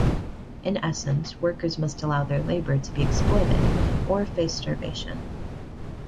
In essence, workers must allow their labor to be exploited or face starvation.